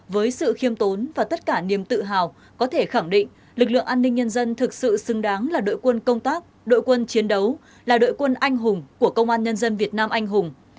với sự khiêm tốn và tất cả niềm tự hào có thể khẳng định lực lượng an ninh nhân dân thực sự xứng đáng là đội quân công tác đội quân chiến đấu là đội quân anh hùng của công an nhân dân việt nam anh hùng